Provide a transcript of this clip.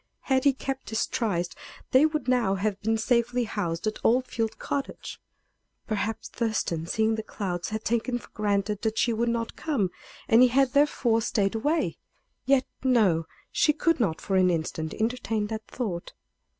Had he kept his tryste they would now have been safely housed at Old Field Cottage. Perhaps Thurston, seeing the clouds, had taken for granted that she would not come, and he had therefore stayed away. Yet, no; she could not for an instant entertain that thought.